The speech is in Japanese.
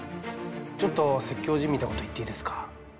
ちょっと説教じみたこと言っていいですか？